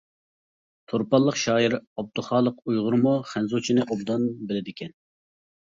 تۇرپانلىق شائىر ئابدۇخالىق ئۇيغۇرمۇ خەنزۇچىنى ئوبدان بىلىدىكەن.